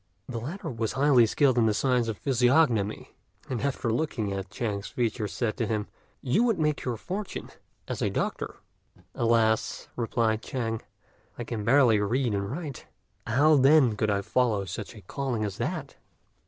The latter was highly skilled in the science of physiognomy; and, after looking at Chang's features, said to him, "You would make your fortune as a doctor." "Alas!" replied Chang, "I can barely read and write; how then could I follow such a calling as that?"